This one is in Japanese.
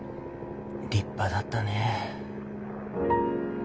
立派だったねえ。